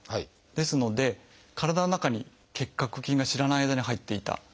ですので体の中に結核菌が知らない間に入っていた。